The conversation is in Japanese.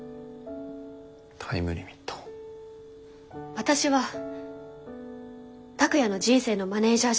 私は拓哉の人生のマネージャーじゃない。